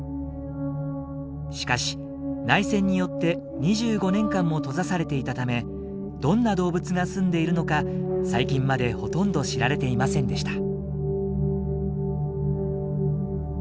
しかし内戦によって２５年間も閉ざされていたためどんな動物がすんでいるのか最近までほとんど知られていませんでした。